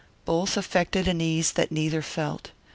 Both affected an ease that neither felt.